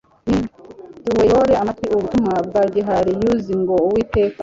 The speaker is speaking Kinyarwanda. Niduteoere amatwi ubu butumwa bwa gihariuzi ngo: «Uwiteka